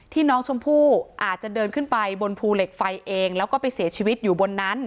น้องชมพู่อาจจะเดินขึ้นไปบนภูเหล็กไฟเองแล้วก็ไปเสียชีวิตอยู่บนนั้น